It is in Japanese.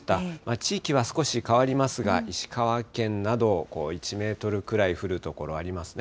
地域は少し変わりますが、石川県など、１メートルくらい降る所ありますね。